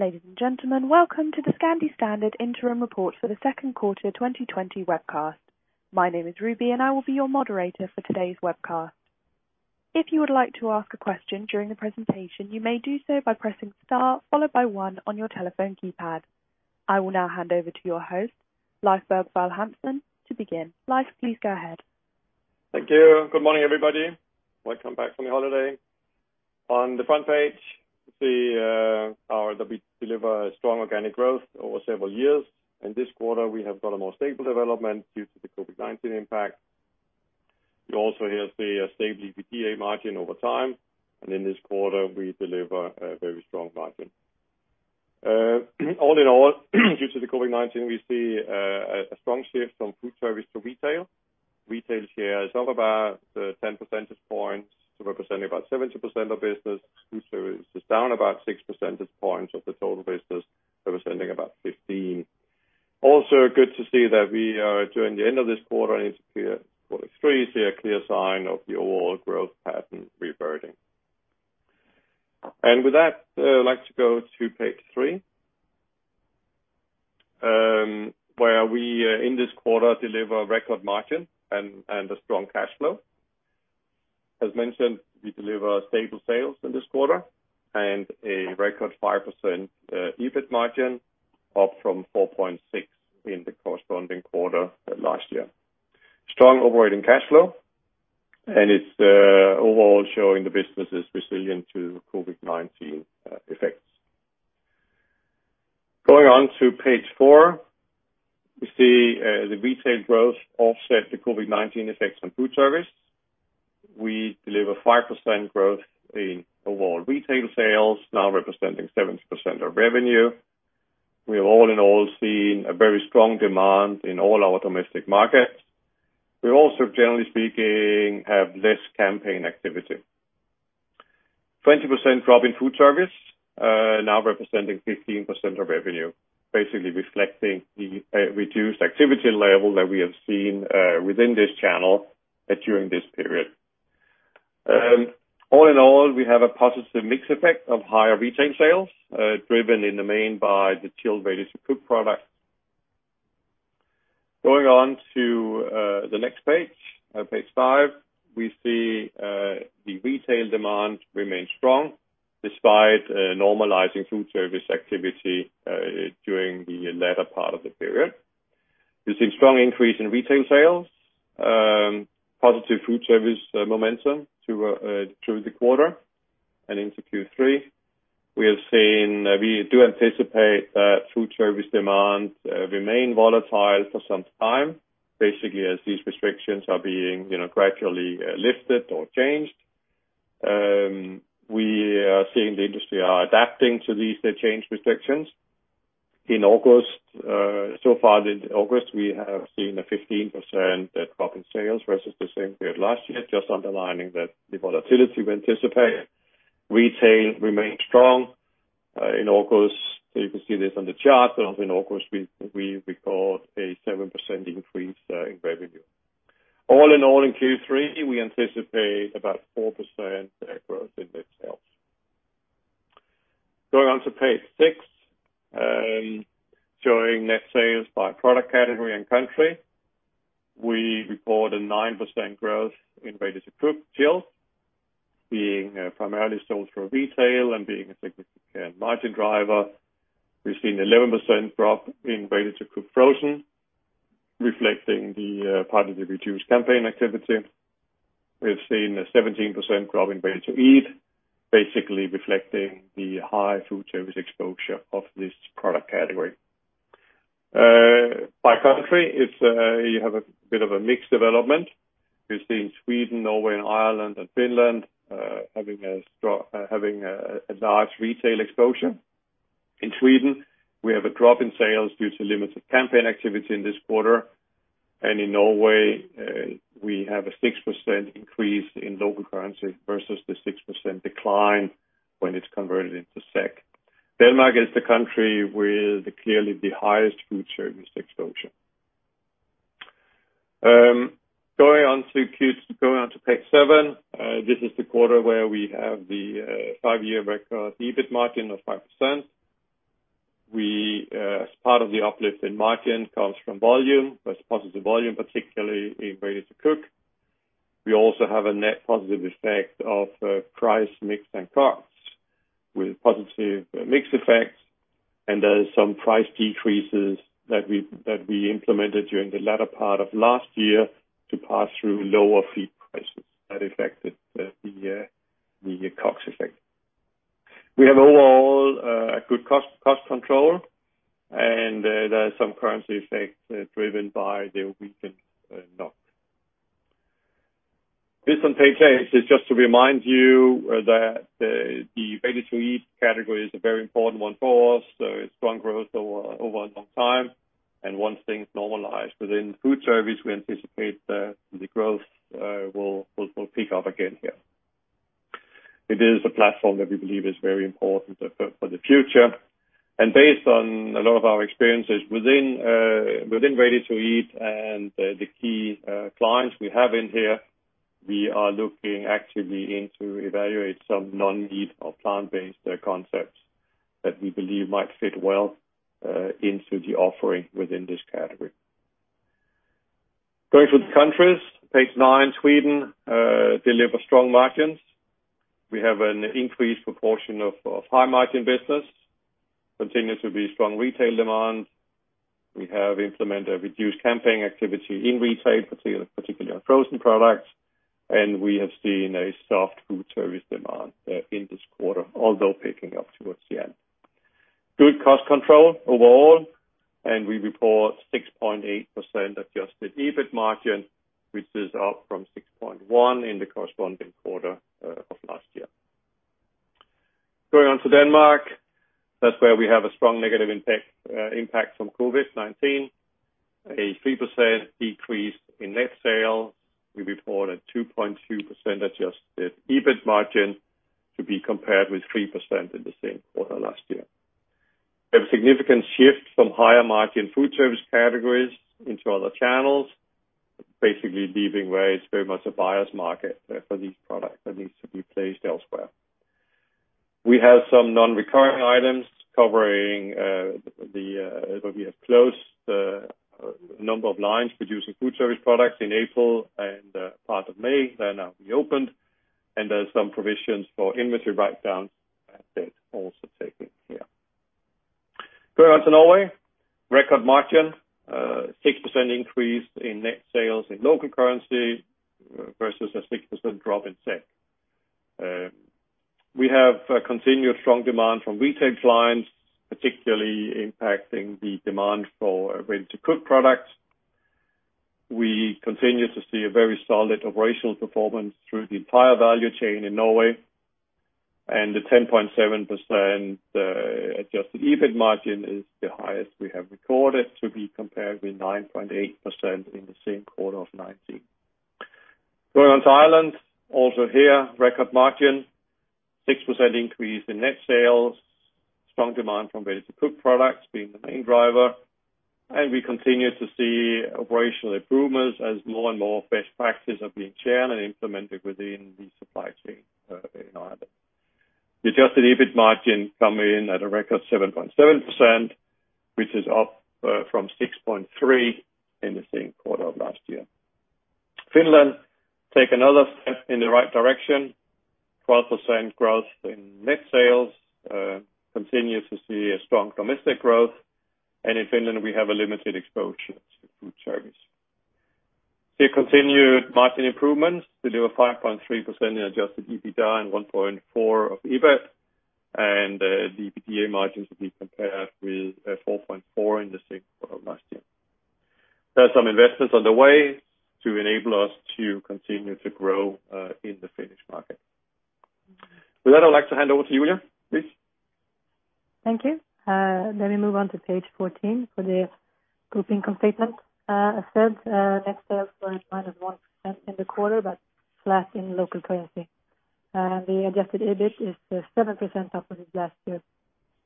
Ladies and gentlemen, welcome to the Scandi Standard Interim Report for the second quarter 2020 webcast. My name is Ruby, and I will be your moderator for today's webcast. If you would like to ask a question during the presentation, you may do so by pressing star followed by one on your telephone keypad. I will now hand over to your host, Leif Bergvall Hansen, to begin. Leif, please go ahead. Thank you. Good morning, everybody. Welcome back from your holiday. On the front page, see how that we deliver strong organic growth over several years. In this quarter, we have got a more stable development due to the COVID-19 impact. You also here see a stable EBITDA margin over time, and in this quarter, we deliver a very strong margin. All in all, due to the COVID-19, we see a strong shift from food service to retail. Retail share is up about 10 percentage points to representing about 70% of business. Food service is down about 6 percentage points of the total business, representing about 15%. Good to see that we are, during the end of this quarter and into Q4 2023, see a clear sign of the overall growth pattern reverting. With that, I'd like to go to page three, where we, in this quarter, deliver record margin and a strong cash flow. As mentioned, we deliver stable sales in this quarter and a record 5% EBIT margin, up from 4.6% in the corresponding quarter last year. Strong operating cash flow, it's overall showing the business is resilient to COVID-19 effects. Going on to page four, we see the retail growth offset the COVID-19 effects on food service. We deliver 5% growth in overall retail sales, now representing 7% of revenue. We have all in all seen a very strong demand in all our domestic markets. We also, generally speaking, have less campaign activity. 20% drop in food service, now representing 15% of revenue, basically reflecting the reduced activity level that we have seen within this channel during this period. All in all, we have a positive mix effect of higher retail sales, driven in the main by the chilled Ready-to-cook products. Going on to the next page five. We see the retail demand remains strong despite normalizing food service activity during the latter part of the period. We've seen strong increase in retail sales, positive food service momentum through the quarter and into Q3. We do anticipate that food service demand remain volatile for some time, basically, as these restrictions are being gradually lifted or changed. We are seeing the industry are adapting to these changed restrictions. Far in August, we have seen a 15% drop in sales versus the same period last year, just underlining the volatility we anticipated. Retail remains strong in August. You can see this on the chart, in August we record a 7% increase in revenue. All in all, in Q3, we anticipate about 4% growth in net sales. Going on to page six, showing net sales by product category and country. We report a 9% growth in ready-to-cook chill, being primarily sold through retail and being a significant margin driver. We've seen 11% drop in ready-to-cook frozen, reflecting the partly reduced campaign activity. We've seen a 17% drop in ready-to-eat, basically reflecting the high food service exposure of this product category. By country, you have a bit of a mixed development. We've seen Sweden, Norway, and Ireland and Finland having a large retail exposure. In Sweden, we have a drop in sales due to limited campaign activity in this quarter, and in Norway, we have a 6% increase in local currency versus the 6% decline when it's converted into SEK. Denmark is the country with clearly the highest food service exposure. Going on to page seven. This is the quarter where we have the five-year record EBIT margin of 5%. As part of the uplift in margin comes from volume. That's positive volume, particularly in Ready-to-cook. We also have a net positive effect of price mix and COGS, with positive mix effects and some price decreases that we implemented during the latter part of last year to pass through lower feed prices that affected the COGS effect. We have overall a good cost control, and there are some currency effects driven by the weakened NOK. This on page eight is just to remind you that the Ready-to-eat category is a very important one for us. Strong growth over a long time, and once things normalize within food service, we anticipate the growth will pick up again here. It is a platform that we believe is very important for the future. Based on a lot of our experiences within Ready-to-eat and the key clients we have in here. We are looking actively into evaluate some non-meat or plant-based concepts that we believe might fit well into the offering within this category. Going to the countries, page 9, Sweden delivers strong margins. We have an increased proportion of high-margin business, continue to be strong retail demand. We have implemented reduced campaign activity in retail, particularly on frozen products, and we have seen a soft foodservice demand in this quarter, although picking up towards the end. Good cost control overall. We report 6.8% adjusted EBIT margin, which is up from 6.1 in the corresponding quarter of last year. Going on to Denmark, that's where we have a strong negative impact from COVID-19. A 3% decrease in net sales. We report a 2.2% adjusted EBIT margin to be compared with 3% in the same quarter last year. We have a significant shift from higher margin foodservice categories into other channels, basically leaving where it's very much a buyer's market for these products that needs to be placed elsewhere. We have some non-recurring items covering where we have closed a number of lines producing foodservice products in April and part of May. They're now reopened, and there's some provisions for inventory write-downs that are also taken here. Going on to Norway. Record margin, 6% increase in net sales in local currency versus a 6% drop in SEK. We have continued strong demand from retail clients, particularly impacting the demand for Ready-to-cook products. We continue to see a very solid operational performance through the entire value chain in Norway. The 10.7% adjusted EBIT margin is the highest we have recorded, to be compared with 9.8% in the same quarter of 2019. Going on to Ireland. Also here, record margin, 6% increase in net sales. Strong demand from Ready-to-cook products being the main driver, and we continue to see operational improvements as more and more best practices are being shared and implemented within the supply chain in Ireland. The adjusted EBIT margin come in at a record 7.7%, which is up from 6.3% in the same quarter of last year. Finland take another step in the right direction. 12% growth in net sales. We continue to see a strong domestic growth. In Finland we have a limited exposure to foodservice. We have continued margin improvements to deliver 5.3% in adjusted EBITDA and 1.4% of EBIT and the EBITDA margins to be compared with 4.4% in the same quarter last year. There are some investments on the way to enable us to continue to grow in the Finnish market. With that, I'd like to hand over to you, Julia, please. Thank you. Let me move on to page 14 for the grouping component. As said, net sales were at minus 1% in the quarter, flat in local currency. The adjusted EBIT is 7% up from last year,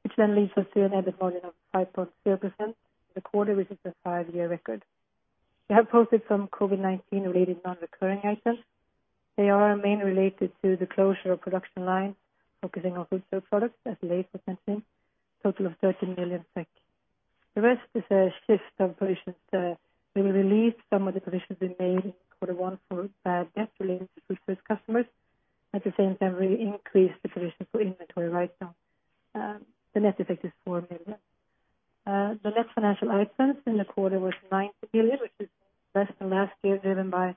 which then leads us to an EBIT margin of 5.0% in the quarter, which is the five-year record. We have posted some COVID-19 related non-recurring items. They are mainly related to the closure of production lines focusing on foodservice products as Leif has mentioned, total of 13 million. The rest is a shift of provisions. We will release some of the provisions we made in quarter one for bad debt related to food service customers. At the same time, we increase the provision for inventory write-downs. The net effect is four million. The net financial items in the quarter was 9 million, which is less than last year, driven by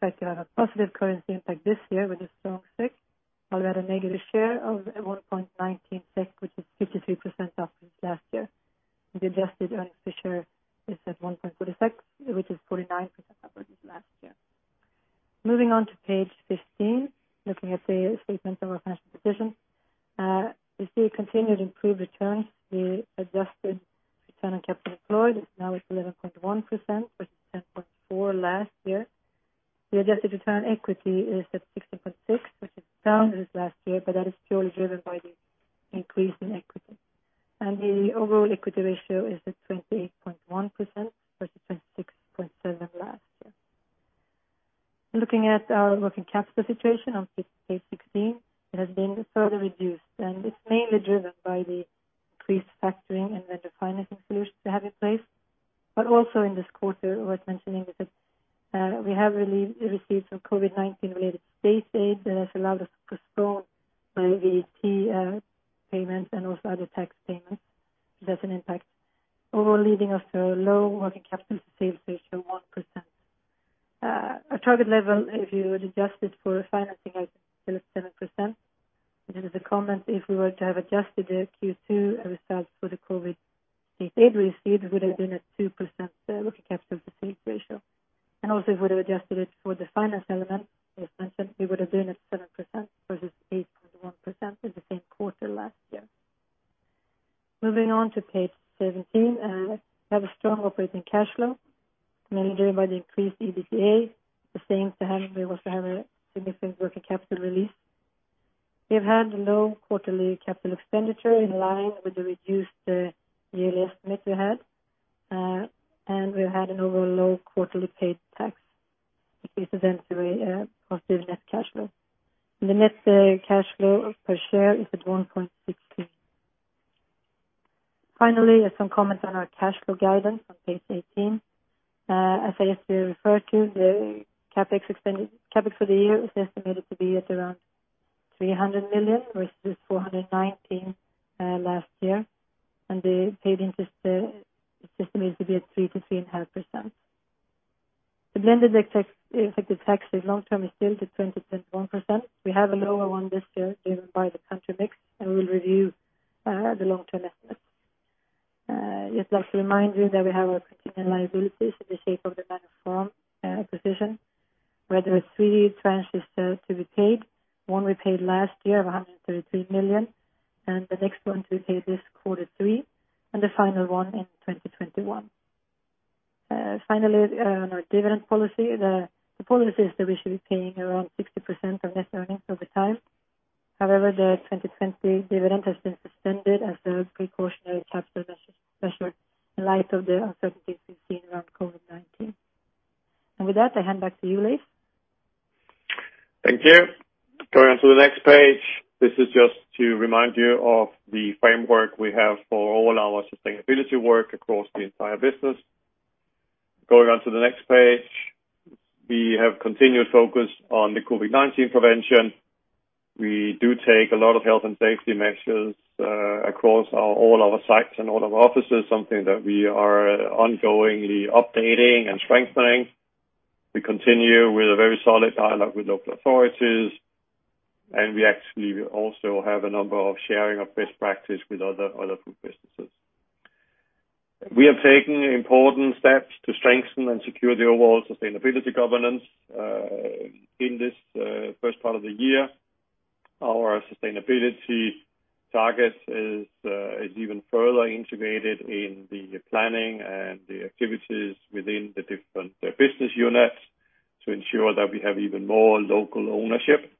the fact we have a positive currency impact this year with a strong SEK, while we had a negative share of 1.19, which is finance element, as mentioned, we would have been at 7% versus 8.1% in the same quarter last year. Moving on to page 17. We have a strong operating cash flow, mainly driven by the increased EBITDA. The same to having we also have a significant working capital release. We've had low quarterly capital expenditure in line with the reduced yearly estimate we had. We've had an overall low quarterly paid tax, which gives then to a positive net cash flow. The net cash flow per share is at 1.16. Finally, some comments on our cash flow guidance on page 18. As I yesterday referred to, the CapEx for the year is estimated to be at around 300 million versus 419 last year, and the paid interest is estimated to be at 3%-3.5%. The blended effective tax rate long-term is still between 20% and 21%. We have a lower one this year driven by the country mix, and we'll review the long-term estimate. Just like to remind you that we have our contingent liabilities in the shape of the Manor Farm acquisition, where there are three tranches still to be paid. One we paid last year of 133 million, and the next one to be paid this quarter three, and the final one in 2021. Finally, on our dividend policy, the policy is that we should be paying around 60% of net earnings over time. However, the 2020 dividend has been suspended as a precautionary capital measure in light of the uncertainties we've seen around COVID-19. With that, I hand back to you, Leif. Thank you. Going on to the next page. This is just to remind you of the framework we have for all our sustainability work across the entire business. Going on to the next page. We have continued focus on the COVID-19 prevention. We do take a lot of health and safety measures across all our sites and all our offices, something that we are ongoingly updating and strengthening. We continue with a very solid dialogue with local authorities, and we actually also have a number of sharing of best practice with other food businesses. We have taken important steps to strengthen and secure the overall sustainability governance in this first part of the year. Our sustainability target is even further integrated in the planning and the activities within the different business units to ensure that we have even more local ownership.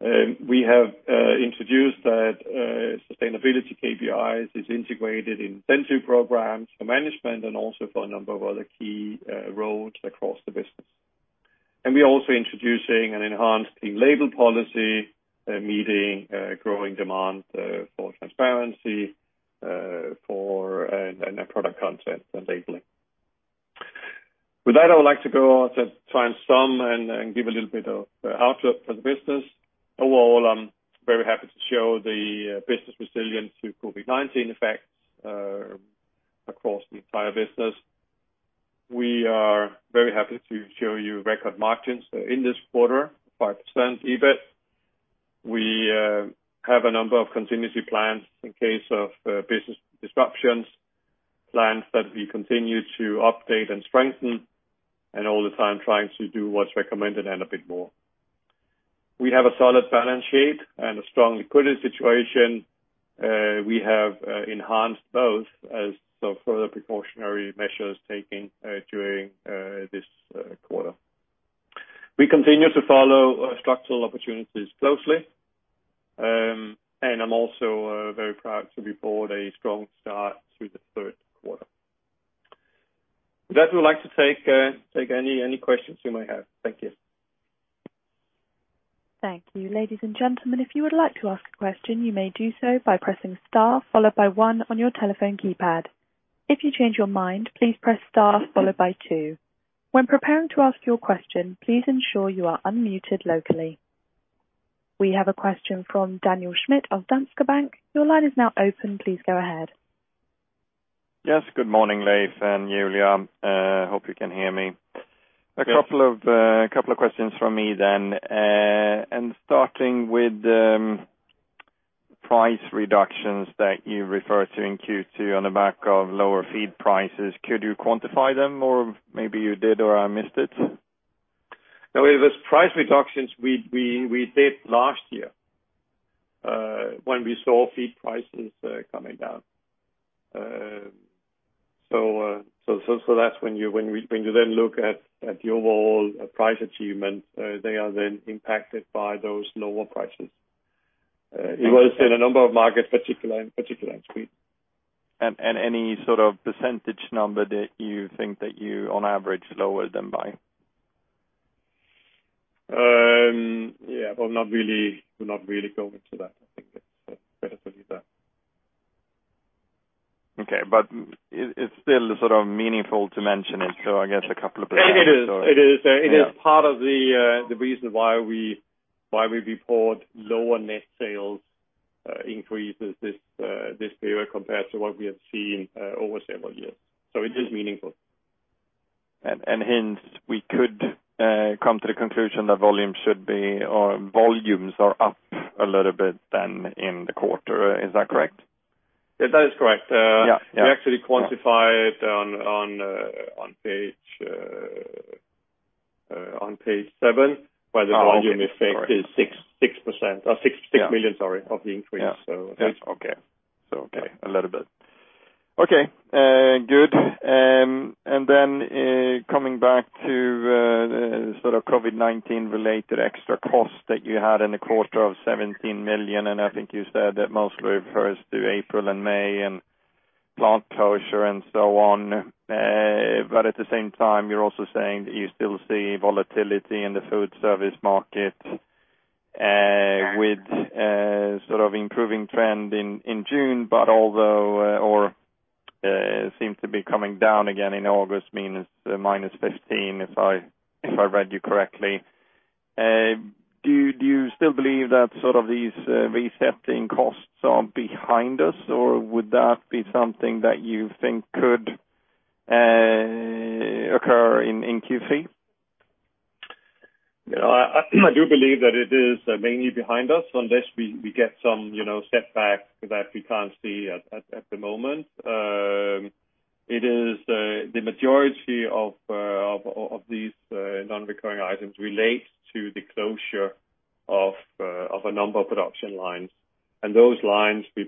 We have introduced that sustainability KPIs is integrated in incentive programs for management and also for a number of other key roles across the business. We are also introducing an enhanced clean label policy, meeting a growing demand for transparency and product content and labeling. With that, I would like to go on to try and sum and give a little bit of outlook for the business. Overall, I'm very happy to show the business resilience to COVID-19 effects across the entire business. We are very happy to show you record margins in this quarter, 5% EBIT. We have a number of contingency plans in case of business disruptions, plans that we continue to update and strengthen, and all the time trying to do what's recommended and a bit more. We have a solid balance sheet and a strong liquidity situation. We have enhanced both as further precautionary measures taken during this quarter. We continue to follow structural opportunities closely. I'm also very proud to report a strong start through the third quarter. With that, we would like to take any questions you may have. Thank you. Thank you. Ladies and gentlemen, if you would like to ask a question, you may do so by pressing star followed by one on your telephone keypad. If you change your mind, please press star followed by two. When preparing to ask your question, please ensure you are unmuted locally. We have a question from Daniel Schmidt of Danske Bank. Your line is now open. Please go ahead. Yes. Good morning, Leif and Julia. Hope you can hear me. Yes. A couple of questions from me then. Starting with price reductions that you refer to in Q2 on the back of lower feed prices. Could you quantify them, or maybe you did, or I missed it? No. It was price reductions we did last year, when we saw feed prices coming down. That's when you then look at the overall price achievements, they are then impacted by those lower prices. It was in a number of markets, particularly in Sweden. any sort of percentage number that you think that you on average lowered them by? Yeah. Not really. We're not really going into that. I think it's better to leave that. Okay. It's still sort of meaningful to mention it, so I guess a couple of percentage or. It is. Yeah. It is part of the reason why we report lower net sales increases this period compared to what we have seen over several years. It is meaningful. Hence, we could come to the conclusion that volume should be or volumes are up a little bit then in the quarter. Is that correct? That is correct. Yeah. We actually quantify it on page seven where the volume effect is 6% or 6 million, sorry, of the increase. Okay, a little bit. Good. Coming back to the COVID-19 related extra cost that you had in the quarter of 17 million, I think you said that mostly refers to April and May and plant closure and so on. At the same time, you're also saying that you still see volatility in the food service market, with sort of improving trend in June, although seems to be coming down again in August, -15%, if I read you correctly. Do you still believe that sort of these resetting costs are behind us? Would that be something that you think could occur in Q3? I do believe that it is mainly behind us unless we get some setback that we can't see at the moment. The majority of these non-recurring items relates to the closure of a number of production lines. Those lines, they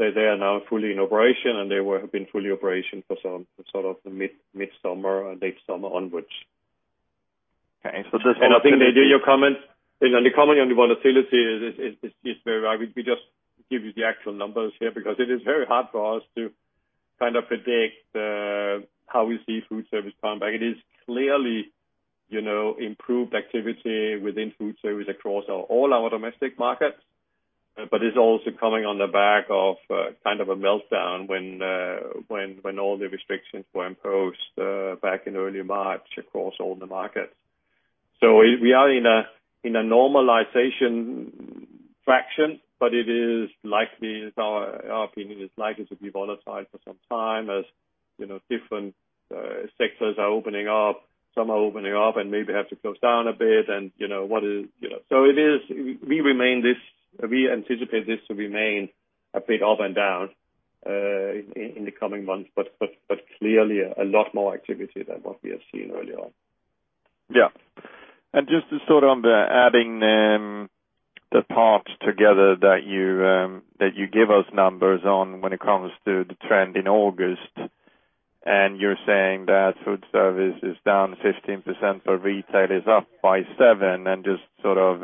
are now fully in operation, and they have been fully in operation for some sort of the mid-summer or late summer onwards. Okay. I think your comment on the volatility is very right. We just give you the actual numbers here, because it is very hard for us to kind of predict how we see food service come back. It is clearly improved activity within food service across all our domestic markets. It's also coming on the back of kind of a meltdown when all the restrictions were imposed back in early March across all the markets. We are in a normalization fraction, but our opinion is likely to be volatile for some time as different sectors are opening up. Some are opening up and maybe have to close down a bit. We anticipate this to remain a bit up and down in the coming months, but clearly a lot more activity than what we have seen earlier on. Yeah. Just to sort of adding the parts together that you give us numbers on when it comes to the trend in August, and you're saying that food service is down 15%, but retail is up by seven and just sort of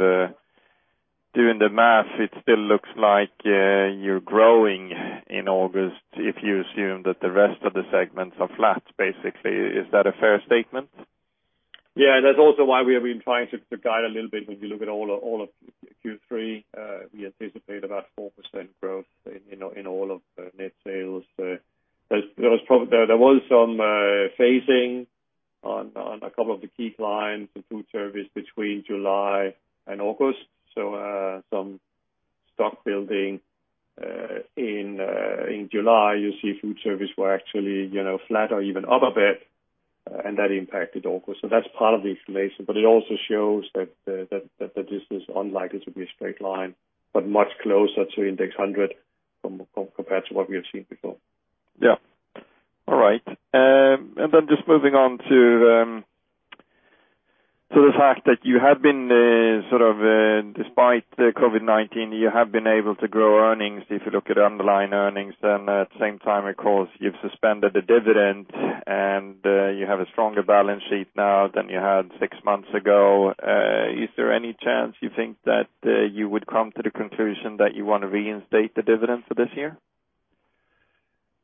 doing the math, it still looks like you're growing in August, if you assume that the rest of the segments are flat, basically. Is that a fair statement? That's also why we have been trying to guide a little bit when you look at all of Q3, we anticipate about 4% growth in all of net sales. There was some phasing on a couple of the key clients in food service between July and August, so some stock building. In July, you see food service were actually flat or even up a bit, and that impacted August. That's part of the explanation, but it also shows that this is unlikely to be a straight line, but much closer to index 100 compared to what we have seen before. Yeah. All right. Just moving on to the fact that despite COVID-19, you have been able to grow earnings. If you look at underlying earnings, at the same time, of course, you've suspended the dividend, and you have a stronger balance sheet now than you had six months ago. Is there any chance you think that you would come to the conclusion that you want to reinstate the dividend for this year?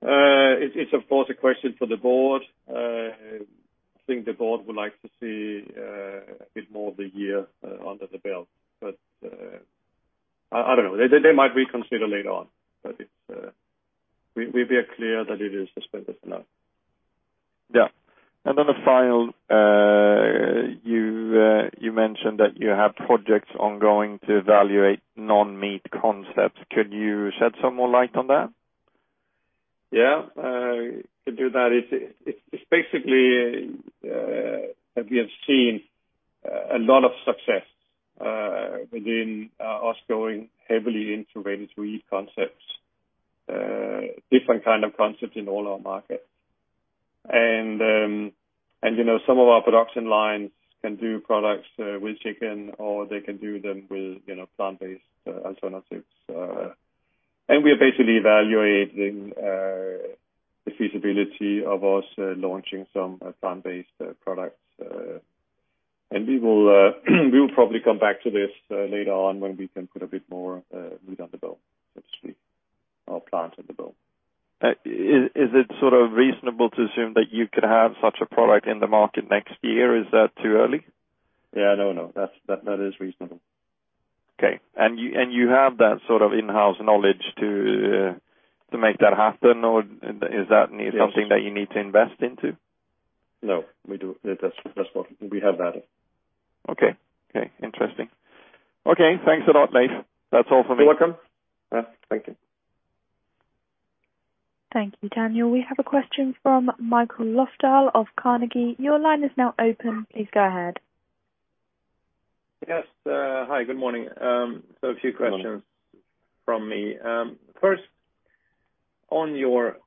It's of course a question for the board. I think the board would like to see a bit more of the year under the belt, but I don't know. They might reconsider later on, but we are clear that it is suspended for now. Yeah. Then the final, you mentioned that you have projects ongoing to evaluate non-meat concepts. Could you shed some more light on that? Yeah. To do that, it's basically, we have seen a lot of success within us going heavily into ready-to-eat concepts, different kind of concepts in all our markets. Some of our production lines can do products with chicken, or they can do them with plant-based alternatives. We are basically evaluating the feasibility of us launching some plant-based products. We will probably come back to this later on when we can put a bit more meat on the bone, so to speak, or plant on the bone. Is it sort of reasonable to assume that you could have such a product in the market next year? Is that too early? Yeah, no. That is reasonable. Okay. You have that sort of in-house knowledge to make that happen, or is that something that you need to invest into? No, we have that. Okay. Interesting. Okay, thanks a lot, Leif. That's all for me. You're welcome. Thank you. Thank you, Daniel. We have a question from Mikael Löfdahl of Carnegie. Your line is now open. Please go ahead. Yes. Hi, good morning. Good morning. A few questions from me. First, on your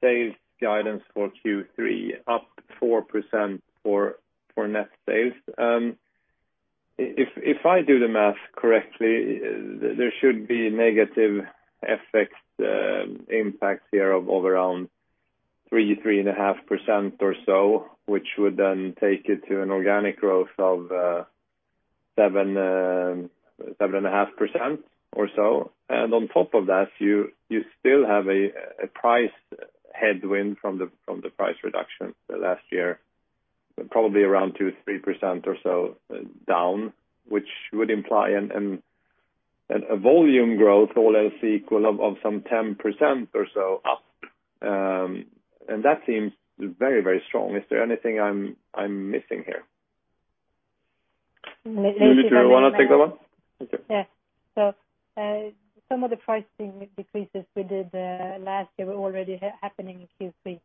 sales guidance for Q3, up 4% for net sales. If I do the math correctly, there should be negative effects, impacts here of around 3%-3.5% or so, which would then take it to an organic growth of 7.5% or so. On top of that, you still have a price headwind from the price reduction last year, probably around 2%-3% or so down, which would imply a volume growth or else equal of some 10% or so up. That seems very strong. Is there anything I'm missing here? Julia, do you want to take that one? Okay. Yeah. Some of the pricing decreases we did last year were already happening in Q3.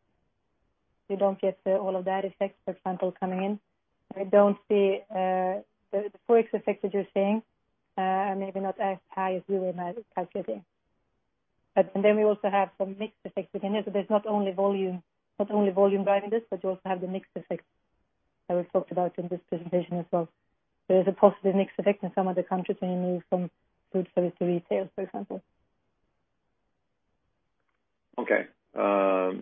We don't get all of that effect, for example, coming in. I don't see the Forex effect that you're seeing, and maybe not as high as you were calculating. We also have some mixed effects within here. There's not only volume driving this, but you also have the mixed effect that we talked about in this presentation as well. There is a positive mixed effect in some of the countries, mainly from food service to retails, for example. Okay. How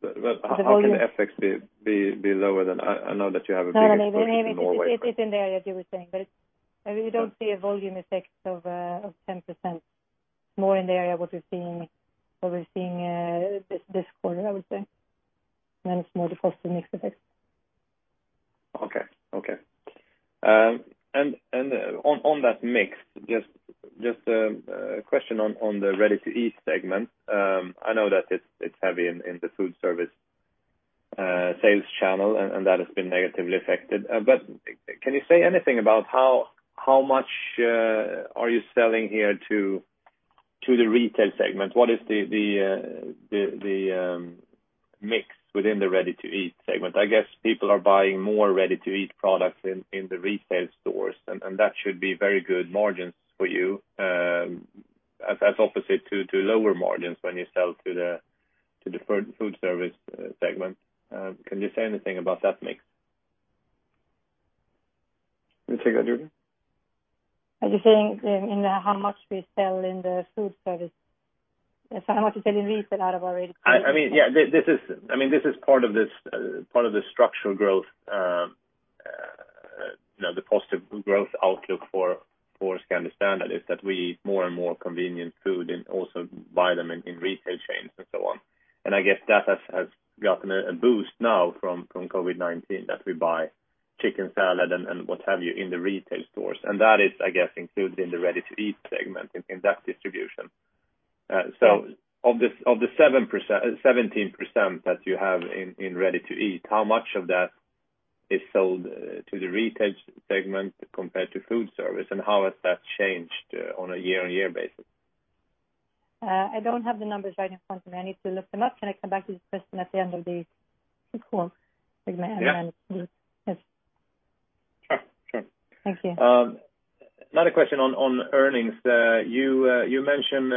can the FX be lower? I know that you have a big exposure in Norway. It's in the area that you were saying, but you don't see a volume effect of 10% more in the area what we're seeing this quarter, I would say. It's more the faster mixed effect. Okay. On that mix, just a question on the Ready-to-eat segment. I know that it's heavy in the food service sales channel, and that has been negatively affected. Can you say anything about how much are you selling here to the retail segment? What is the mix within the Ready-to-eat segment? I guess people are buying more Ready-to-eat products in the retail stores, and that should be very good margins for you. That's opposite to lower margins when you sell to the food service segment. Can you say anything about that mix? You take that, Julia? Are you saying in how much we sell in the food service? How much we sell in retail out of our Ready-to-eat. This is part of the structural growth. The positive growth outlook for Scandi Standard is that we eat more and more convenient food and also buy them in retail chains and so on. I guess that has gotten a boost now from COVID-19, that we buy chicken salad and what have you in the retail stores. That is, I guess, included in the ready-to-eat segment in that distribution. Of the 17% that you have in ready-to-eat, how much of that is sold to the retail segment compared to food service, and how has that changed on a year-on-year basis? I don't have the numbers right in front of me. I need to look them up. Can I come back to this question at the end of the call? Yeah. Yes. Sure. Thank you. Another question on earnings. You mentioned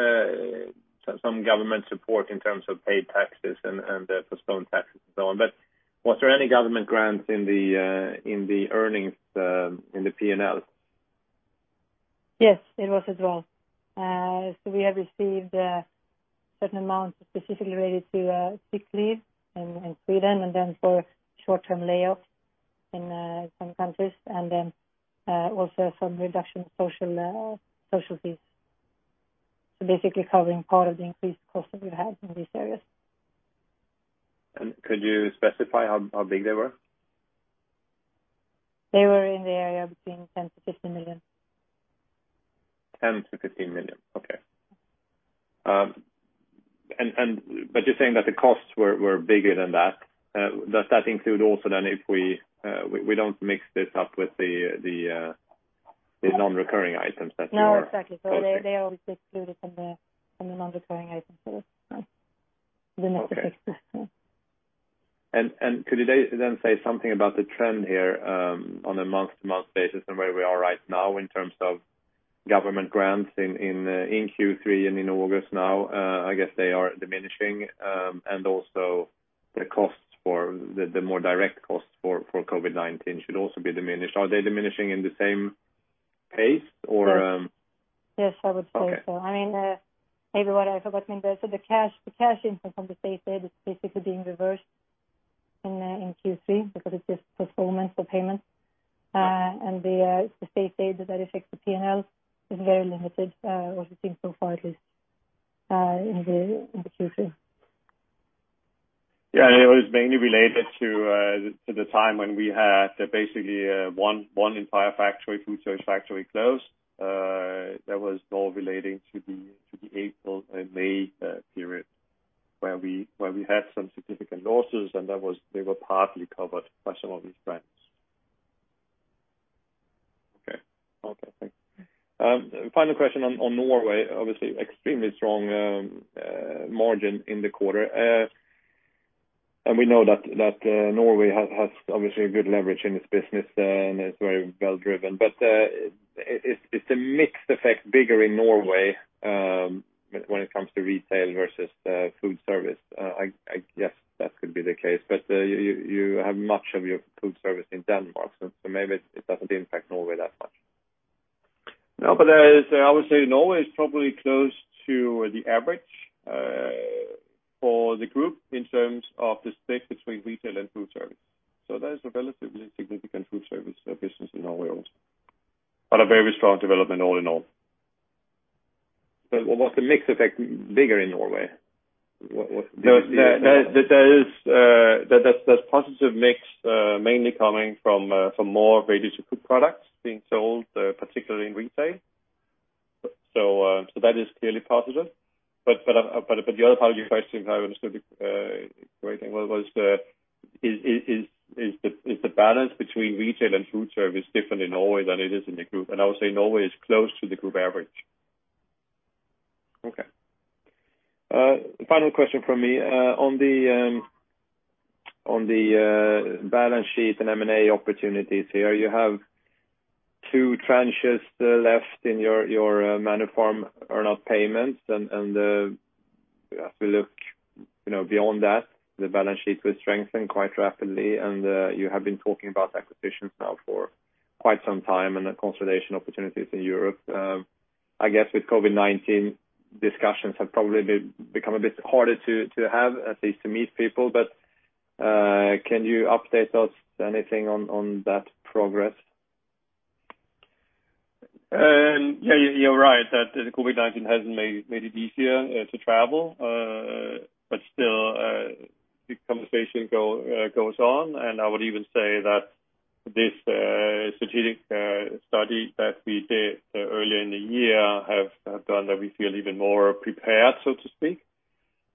some government support in terms of paid taxes and postponed taxes and so on, was there any government grants in the earnings in the P&L? Yes, it was as well. We have received a certain amount specifically related to sick leave in Sweden and then for short-term layoffs in some countries, and then also some reduction in social fees. Basically covering part of the increased costs that we've had in these areas. Could you specify how big they were? They were in the area between 10 million-15 million. 10 million-SEK 15 million. Okay. You're saying that the costs were bigger than that. Does that include also then if we don't mix this up with the non-recurring items that you are- No, exactly. They are also included in the non-recurring items. Okay. Could you then say something about the trend here on a month-to-month basis and where we are right now in terms of government grants in Q3 and in August now? I guess they are diminishing, also the more direct costs for COVID-19 should also be diminished. Are they diminishing in the same pace? Yes. I would say so. Okay. Maybe what I forgotten, but so the cash income from the state aid is basically being reversed in Q3 because it's just postponement for payment. The state aid that affects the P&L is very limited, what we've seen so far at least in the Q3. Yeah. It was mainly related to the time when we had basically one entire food service factory closed. That was all relating to the April and May period where we had some significant losses, and they were partly covered by some of these grants. Okay, thanks. Final question on Norway, obviously extremely strong margin in the quarter. We know that Norway has obviously a good leverage in its business there, and it's very well driven. Is the mixed effect bigger in Norway when it comes to retail versus food service? I guess that could be the case, but you have much of your food service in Denmark, so maybe it doesn't impact Norway that much. I would say Norway is probably close to the average for the group in terms of the split between retail and food service. That is a relatively significant food service business in Norway also. A very strong development all in all. Was the mix effect bigger in Norway? There's positive mix mainly coming from more Ready-to-cook products being sold, particularly in retail. That is clearly positive. The other part of your question, if I understood it correctly, was is the balance between retail and food service different in Norway than it is in the group? I would say Norway is close to the group average. Okay. Final question from me. On the balance sheet and M&A opportunities here, you have two tranches left in your Manor Farm earn out payments, and as we look beyond that, the balance sheet will strengthen quite rapidly, and you have been talking about acquisitions now for quite some time and the consolidation opportunities in Europe. I guess with COVID-19, discussions have probably become a bit harder to have, at least to meet people. Can you update us anything on that progress? You're right that COVID-19 hasn't made it easier to travel. Still, the conversation goes on. I would even say that this strategic study that we did earlier in the year have done that we feel even more prepared, so to speak.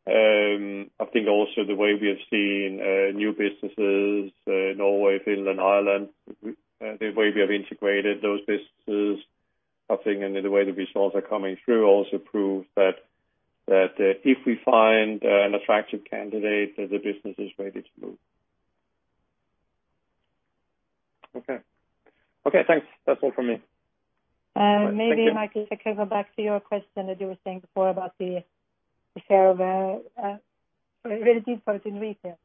I think also the way we have seen new businesses, Norway, Finland, Ireland, the way we have integrated those businesses, I think, and the way the results are coming through also prove that if we find an attractive candidate, the business is ready to move. Okay. Okay, thanks. That's all from me. Maybe, Mikael, if I could go back to your question that you were saying before about the share of ready meals in retail.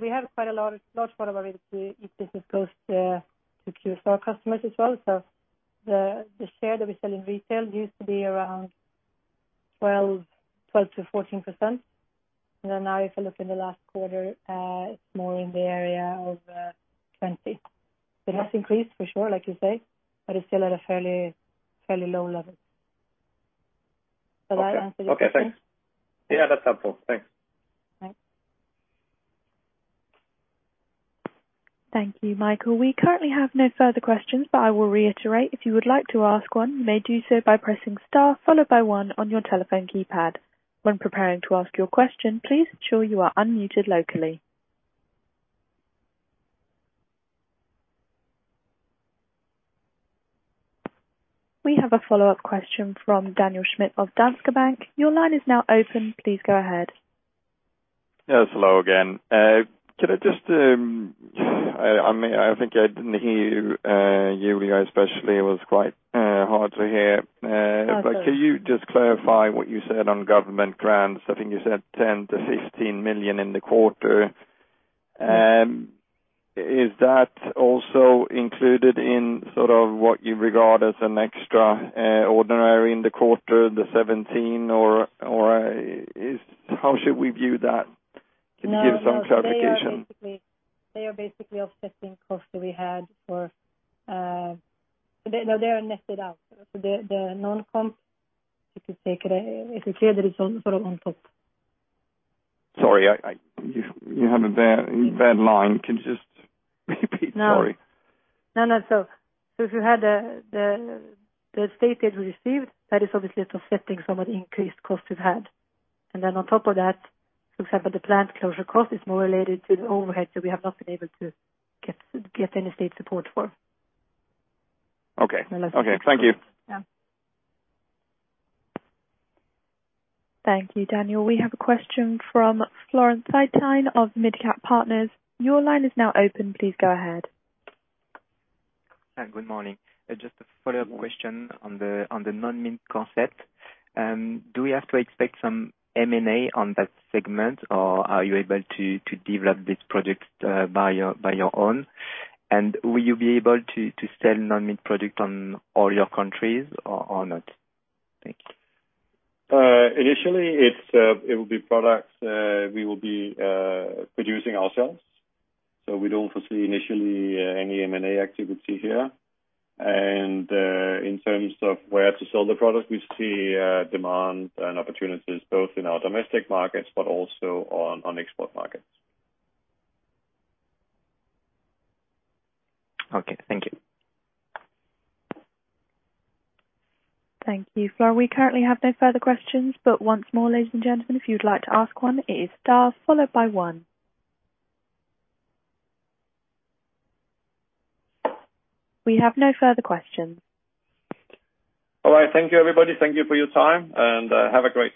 We have quite a large part of our Ready-to-eat business goes to QSR customers as well. The share that we sell in retail used to be around 12%-14%. Now if you look in the last quarter, it is more in the area of 20%. It has increased for sure, like you say, but it is still at a fairly low level. Does that answer your question? Okay, thanks. Yeah, that's helpful. Thanks. Bye. Thank you, Mikael. We currently have no further questions. I will reiterate, if you would like to ask one, you may do so by pressing star followed by one on your telephone keypad. When preparing to ask your question, please ensure you are unmuted locally. We have a follow-up question from Daniel Schmidt of Danske Bank. Your line is now open. Please go ahead. Yes, hello again. Could I just I think I didn't hear you, Julia, especially. It was quite hard to hear. Okay. Could you just clarify what you said on government grants? I think you said 10 million-15 million in the quarter. Is that also included in sort of what you regard as an extraordinary in the quarter, the 17 million, or how should we view that? Can you give some clarification? No, they are netted out. They're non-comp, you could say. It is clear that it's sort of on top. Sorry, you have a bad line. Can you just repeat? Sorry. No. If you had the state aid we received, that is obviously offsetting some of the increased costs we've had. On top of that, for example, the plant closure cost is more related to the overhead that we have not been able to get any state support for. Okay. Thank you. Yeah. Thank you, Daniel. We have a question from Florent Thy-Tine of MidCap Partners. Your line is now open. Please go ahead. Hi, good morning. Just a follow-up question on the non-meat concept. Do we have to expect some M&A on that segment, or are you able to develop this product by your own? Will you be able to sell non-meat product on all your countries or not? Thank you. Initially, it will be products we will be producing ourselves. We don't foresee initially any M&A activity here. In terms of where to sell the product, we see demand and opportunities both in our domestic markets but also on export markets. Okay, thank you. Thank you, Florent. We currently have no further questions. Once more, ladies and gentlemen, if you'd like to ask one, it is star followed by one. We have no further questions. All right. Thank you, everybody. Thank you for your time, and have a great day.